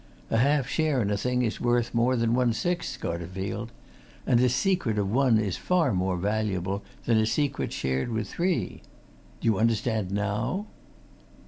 A half share in a thing is worth more than one sixth, Scarterfield and a secret of one is far more valuable than a secret shared with three. Do you understand now?"